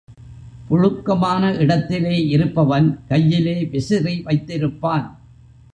புழுக்கமான இடத்திலே இருப்பவன் கையிலே விசிறி வைத்திருப்பான்.